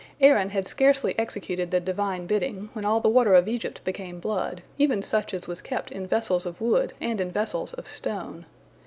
Aaron had scarcely executed the Divine bidding, when all the water of Egypt became blood, even such as was kept in vessels of wood and in vessels of stone.